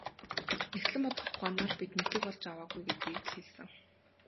Нягтлан бодох ухаанаар бид мэдлэг олж аваагүй гэдгийг л хэлсэн.